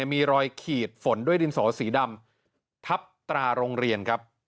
มีรอยขีดฝนด้วยดินสอสีดำทับตราโรงเรียนครับ